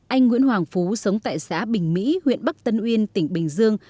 anh nguyễn hoàng phú sống tại xã bình mỹ huyện bắc tân uyên tỉnh bình dương